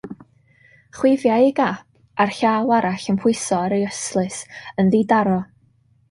Chwifiai ei gap, a'r llaw arall yn pwyso ar ei ystlys, yn ddidaro.